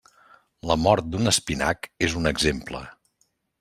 La mort d'un espinac és un exemple.